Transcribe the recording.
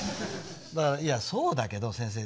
だから「いやそうだけど先生」